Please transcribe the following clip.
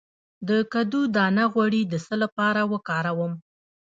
د کدو دانه غوړي د څه لپاره وکاروم؟